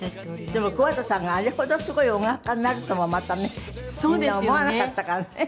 でも桑田さんがあれほどすごい音楽家になるともまたねみんな思わなかったからね。